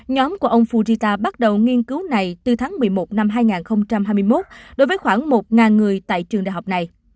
nhóm của ông fujita bắt đầu nghiên cứu này từ tháng một mươi một năm hai nghìn hai mươi một đối với khoảng một người tại trường đại học này